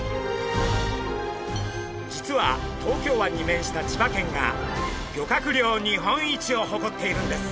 実は東京湾に面した千葉県が漁獲量日本一をほこっているんです。